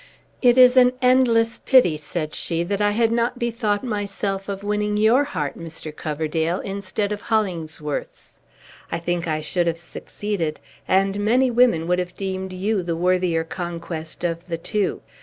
"It is an endless pity," said she, "that I had not bethought myself of winning your heart, Mr. Coverdale, instead of Hollingsworth's. I think I should have succeeded, and many women would have deemed you the worthier conquest of the two.